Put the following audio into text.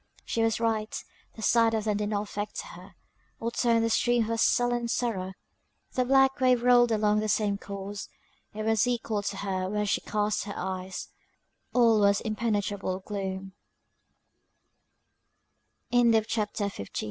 She was right; the sight of them did not affect her, or turn the stream of her sullen sorrow; the black wave rolled along in the same course, it was equal to her where she cast her eyes; all was impenetrable gl